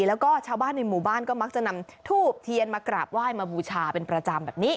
แล้วก็ชาวบ้านในหมู่บ้านก็มักจะนำทูบเทียนมากราบไหว้มาบูชาเป็นประจำแบบนี้